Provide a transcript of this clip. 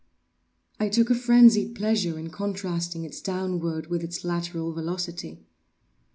I took a frenzied pleasure in contrasting its downward with its lateral velocity.